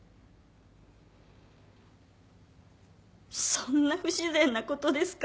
そんな不自然なことですか？